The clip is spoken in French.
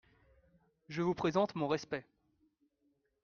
Je vous présente mon respect.